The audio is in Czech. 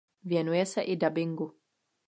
Věnuje se i dabingu.